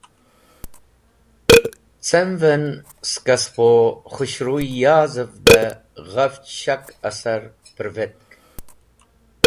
Cem’v en skẽ spo khũshruy yaz’v be ghafch shak asar pervetk.